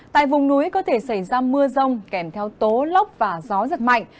tại vùng núi có thể xảy ra mưa rông kèm theo tố lốc và gió giật mạnh